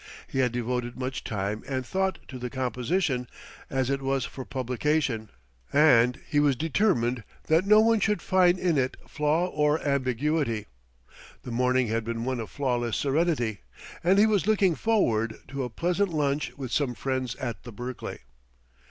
He had devoted much time and thought to the composition, as it was for publication, and he was determined that no one should find in it flaw or ambiguity. The morning had been one of flawless serenity, and he was looking forward to a pleasant lunch with some friends at the Berkeley.